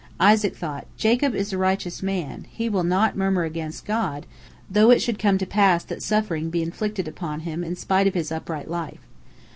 Isaac thought: "Jacob is a righteous man, he will not murmur against God, though it should come to pass that suffering be inflicted upon him in spite of his upright life.